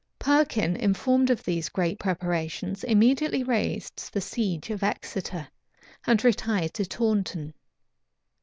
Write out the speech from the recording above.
Perkin, informed of these great preparations, immediately raised the siege of Exeter, and retired to Taunton.